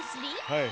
はい。